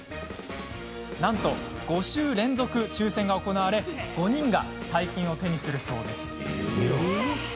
なんと、５週連続抽せんが行われ５人が大金を手にするそう。